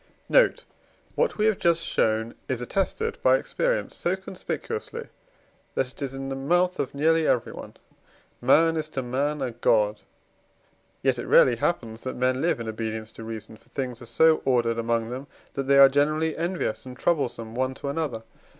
Note. What we have just shown is attested by experience so conspicuously, that it is in the mouth of nearly everyone: "Man is to man a God." Yet it rarely happens that men live in obedience to reason, for things are so ordered among them, that they are generally envious and troublesome one to another.